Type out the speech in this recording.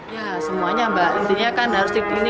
ya semuanya mbak intinya kan harus dinamakan lagi